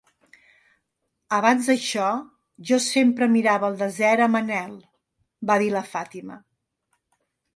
"Abans d'això, jo sempre mirava al desert amb anhel", va dir la Fàtima.